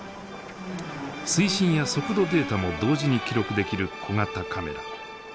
水深や速度データも同時に記録できる小型カメラ。